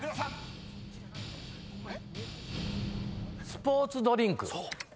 スポーツドリンク。